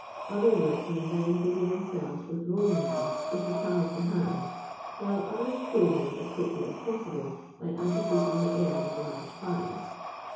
Other workmen then busy themselves with rolling them with the palm of the hand, while others cool them as quickly as possible by agitating the air with large fans.